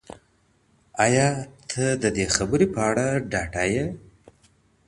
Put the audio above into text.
آیا ته د دې خبري په اړه ډاډه یې.